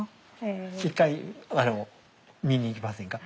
一回見に行きませんか？